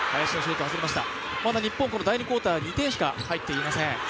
まだ日本、第２クオーター、２点しか入っていません。